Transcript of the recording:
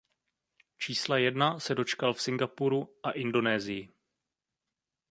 Čísla jedna se dočkal v Singapuru a Indonésii.